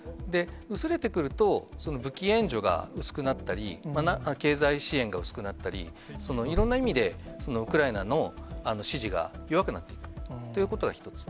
薄れてくると、武器援助が薄くなったり、経済支援が薄くなったり、いろんな意味でウクライナの支持が弱くなっていくということが一つ。